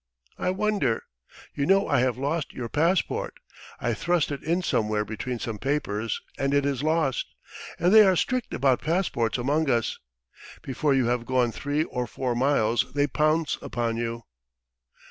I wonder! You know I have lost your passport. I thrust it in somewhere between some papers, and it is lost. ... And they are strict about passports among us. Before you have gone three or four miles they pounce upon you."